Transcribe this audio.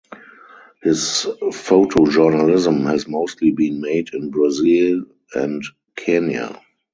His photojournalism has mostly been made in Brazil and Kenya.